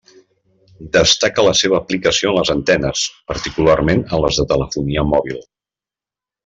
Destaca la seva aplicació en les antenes, particularment en les de telefonia mòbil.